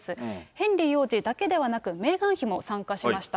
ヘンリー王子だけではなく、メーガン妃も参加しました。